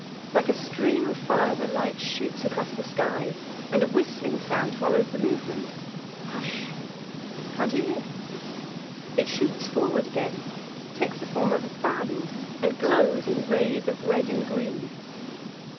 Like a stream of fire the light shoots across the sky, and a whistling sound follows the movement. Hush! can't you hear? It shoots forward again, takes the form of a band, and glows in rays of red and green.